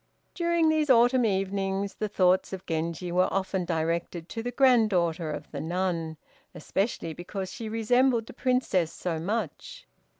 During these autumn evenings the thoughts of Genji were often directed to the granddaughter of the nun, especially because she resembled the Princess so much.